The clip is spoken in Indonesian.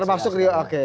terus masuk riuk oke